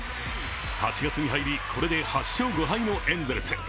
８月に入り、これで８勝５敗のエンゼルス。